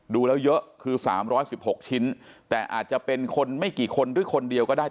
ดูแล้วเยอะคือ๓๑๖ชิ้นแต่อาจจะเป็นคนไม่กี่คนหรือคนเดียวก็ได้